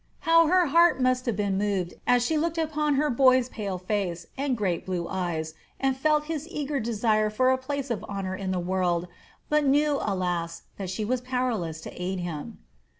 How her heart must have been moved as she looked upon her boy's pale face, and great blue eyes, and felt his eager desire for a place of honor in the world, but knew, alas! that she was powerless to aid him.